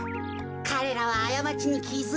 かれらはあやまちにきづいた。